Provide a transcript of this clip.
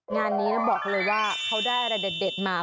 งานนี้นะบอกเลยว่าเขาได้อะไรเด็ดมา